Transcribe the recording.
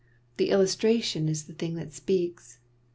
The illustration is the thing that speaks.